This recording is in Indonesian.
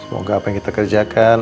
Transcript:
semoga apa yang kita kerjakan